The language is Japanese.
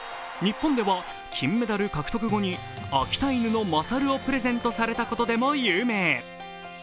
日本では金メダル獲得後に秋田犬のマサルをプレゼントされたことでも有名。